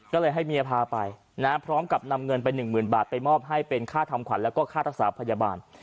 ก็เลยให้เมียพาไปนะพร้อมกับนำเงินไป๑๐๐๐บาทไปมอบให้เป็นค่าทำขวัญแล้วก็ค่ารักษาพยาบาล